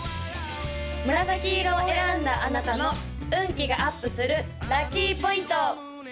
紫色を選んだあなたの運気がアップするラッキーポイント！